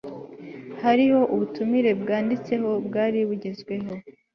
hariho ubutumire bwanditseho, bwari bugezweho